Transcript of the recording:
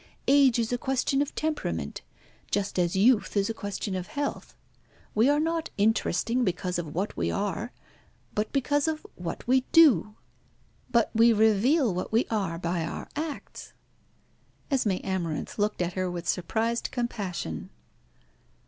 Age is a question of temperament, just as youth is a question of health. We are not interesting because of what we are, but because of what we do." "But we reveal what we are by our acts." Esmé Amarinth looked at her with surprised compassion.